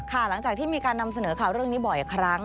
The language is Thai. หลังจากที่มีการนำเสนอข่าวเรื่องนี้บ่อยครั้ง